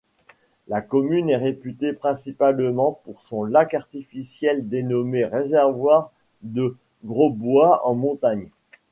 La commune est réputée principalement pour son lac artificiel dénommé Réservoir de Grosbois-en-Montagne.